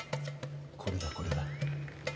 これだこれだ。